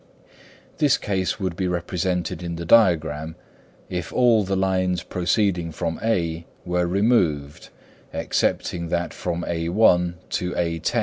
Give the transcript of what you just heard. This case would be represented in the diagram, if all the lines proceeding from (A) were removed, excepting that from _a_1 to _a_10.